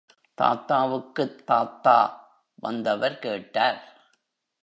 தாத்தாவுக்குத் தாத்தா? வந்தவர் கேட்டார்.